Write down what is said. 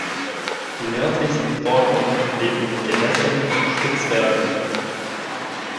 Die nördlichsten Vorkommen leben in den Gewässern um Spitzbergen.